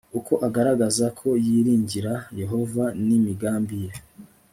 uko agaragaza ko yiringira yehova n imigambi ye